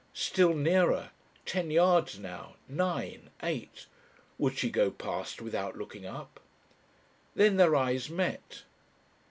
Still nearer, ten yards now, nine, eight. Would she go past without looking up?... Then their eyes met.